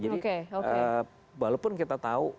jadi walaupun kita tahu